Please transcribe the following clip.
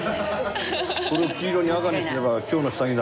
これを黄色を赤にすれば今日の下着だ。